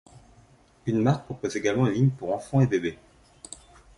La marque propose également une ligne pour enfants et bébés.